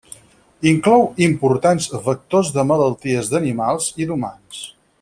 Inclou importants vectors de malalties d'animals i d'humans.